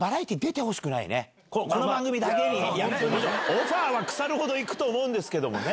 オファーは腐るほど行くと思うんですけどもね。